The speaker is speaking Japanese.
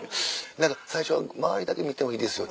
最初「周りだけ見てもいいですよ」。